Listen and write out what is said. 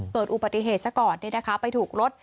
เกิดอุบัติเหตุซะก่อนไปถูกรถ